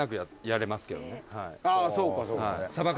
あそうかそうか。